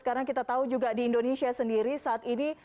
karena kita tahu juga di indonesia sendiri saat ini